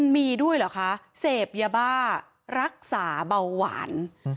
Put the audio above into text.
มีด้วยเหรอคะเสพยาบ้ารักษาเบาหวาน